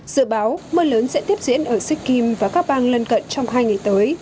dự báo mưa lớn sẽ tiếp diễn ở sikkim và các bang lân cận trong hai ngày tới